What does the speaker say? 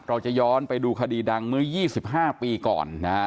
เราจะย้อนไปดูคดีดังเมื่อ๒๕ปีก่อนนะฮะ